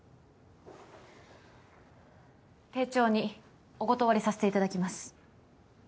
丁重にお断わりさせていただきます。